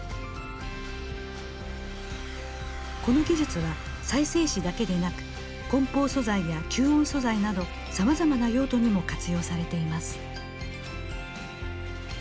この技術は再生紙だけでなくこん包素材や吸音素材などさまざまな用途にも活用されています。